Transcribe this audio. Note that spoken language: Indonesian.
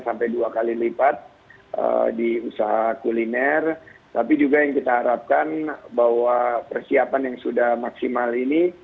sampai dua kali lipat di usaha kuliner tapi juga yang kita harapkan bahwa persiapan yang sudah maksimal ini